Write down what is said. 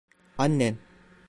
Annen.